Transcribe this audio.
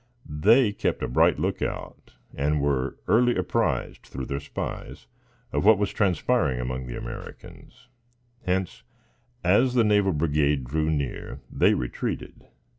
They kept a bright look out and were early apprised, through their spies, of what was transpiring among the Americans; hence, as the naval brigade drew near, they retreated.